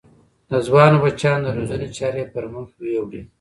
د ځوانو بچیانو د روزنې چارې پر مخ ویوړې.